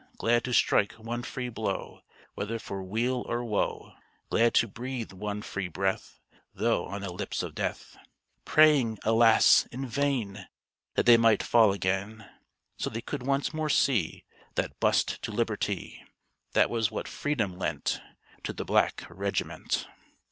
Glad to strike one free blow, Whether for weal or woe; Glad to breathe one free breath, Though on the lips of death. Praying alas! in vain! That they might fall again, So they could once more see That bust to liberty! This was what "freedom" lent To the black regiment.